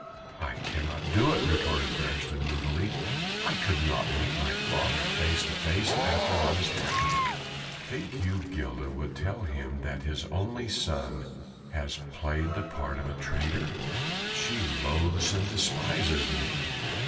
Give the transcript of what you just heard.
"I cannot do it," retorted Beresteyn moodily, "I could not meet my father face to face after what has happened." "Think you Gilda would tell him that his only son has played the part of traitor?" "She loathes and despises me."